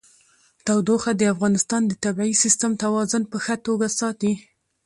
تودوخه د افغانستان د طبعي سیسټم توازن په ښه توګه ساتي.